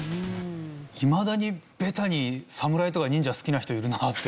いまだにベタに侍とか忍者好きな人いるんだなって。